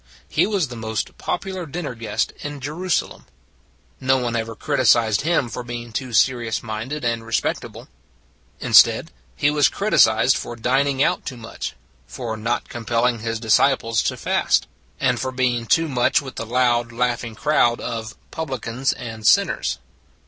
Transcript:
He was the most popular dinner guest in Jerusalem. No one ever criticized Him for being too serious minded and respectable. In stead, He was criticized for dining out too much, for not compelling His disciples to fast, and for being too much with the loud laughing crowd of " publicans and sin ners."